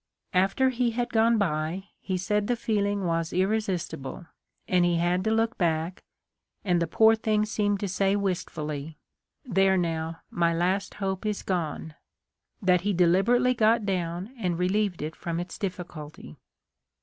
After he had gone by, he said the feeling was irresistible ; and he had to look back, and the poor thing seemed to say wistfully, ' There now, my last hope is gone ;' that he deliberately got down and relieved it from its difficulty.